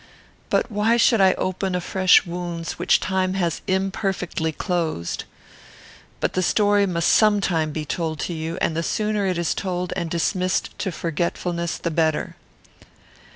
But why should I open afresh wounds which time has imperfectly closed? But the story must some time be told to you, and the sooner it is told and dismissed to forgetfulness the better.